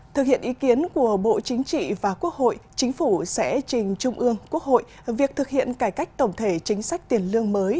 thực hiện ý kiến của bộ chính trị và quốc hội chính phủ sẽ trình trung ương quốc hội việc thực hiện cải cách tổng thể chính sách tiền lương mới